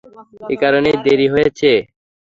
একারণেই দেরি হইসে।